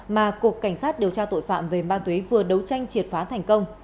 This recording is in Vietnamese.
mà cục cảnh sát điều tra tội phạm về ma túy vừa đấu tranh triệt phá thành công